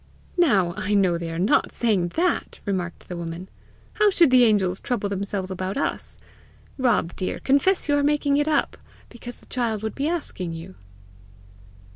'" "Now I know they are not saying that!" remarked the woman. "How should the angels trouble themselves about us! Rob, dear, confess you are making it up, because the child would be asking you."